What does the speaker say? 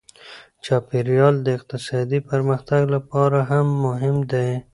چاپیریال د اقتصادي پرمختګ لپاره هم مهم دی.